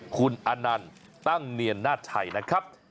คุณอานันตั้งเนียนหน้าไถนะครับ